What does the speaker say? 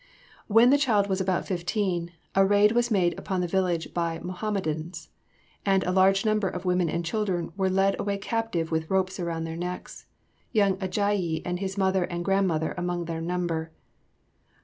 When the child was about fifteen, a raid was made upon the village by Mohammedans, and a large number of women and children were led away captive with ropes around their necks, young Ajayi and his mother and grandmother among the number.